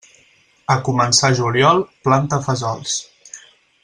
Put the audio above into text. A començar juliol, planta fesols.